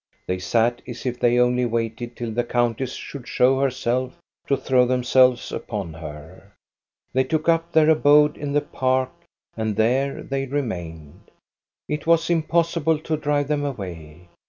They sat as if they only waited till the countess should show herself, to throw themselves upon her. They took up their abode in the park and there they remained. It was impossible to drive them away.